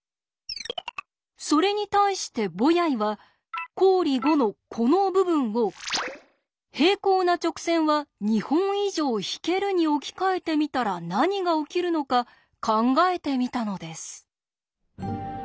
それに対してボヤイは公理５のこの部分を「平行な直線は２本以上引ける」に置き換えてみたら何が起きるのか考えてみたのです。